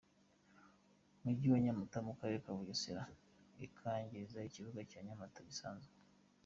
mujyi wa Nyamata mu karere ka Bugesera ikangiriza ikibuga cya Nyamata gisanzwe